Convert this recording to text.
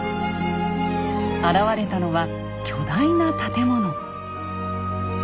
現れたのは巨大な建物。